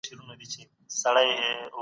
اورېدل د عامه معلوماتو لپاره تر لیکلو چټک دي.